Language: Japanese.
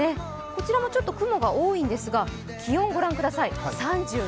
こちらもちょっと雲が多いんですが、気温御覧ください。